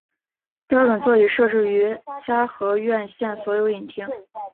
标准座椅设置于嘉禾院线所有影厅。